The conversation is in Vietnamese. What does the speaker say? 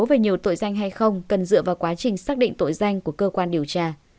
về nhiều tội danh hay không cần dựa vào quá trình xác định tội danh của cơ quan điều tra